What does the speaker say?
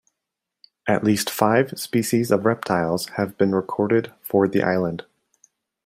At least five species of reptiles have been recorded for the island.